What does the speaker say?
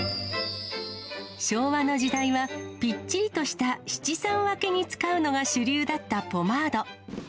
昭和の時代はぴっちりとした七三分けに使うのが主流だったポマード。